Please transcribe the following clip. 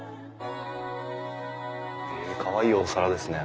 へえかわいいお皿ですね。